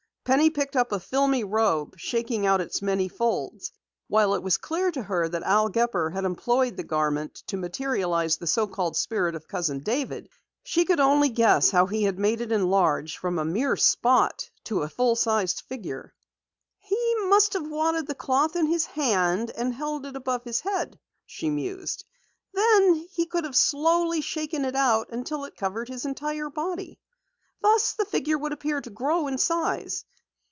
Penny picked up a filmy robe, shaking out the many folds. While it was clear to her that Al Gepper had employed the garment to materialize the so called spirit of Cousin David, she could only guess how he had made it enlarge from a mere spot to a full sized figure. "He must have wadded the cloth in his hand, and held it above his head," she mused. "Then he could have slowly shaken it out until it covered his entire body. Thus the figure would appear to grow in size."